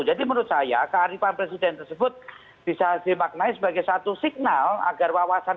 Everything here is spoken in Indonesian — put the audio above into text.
jadi menurut saya kearifan presiden tersebut bisa dimaknai sebagai satu signal agar wawasan